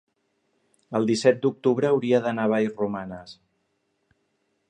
el disset d'octubre hauria d'anar a Vallromanes.